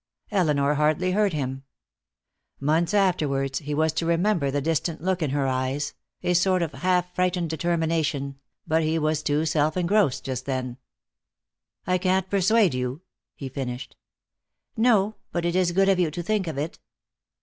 Elinor hardly heard him. Months afterwards he was to remember the distant look in her eyes, a sort of half frightened determination, but he was self engrossed just then. "I can't persuade you?" he finished. "No. But it is good of you to think of it."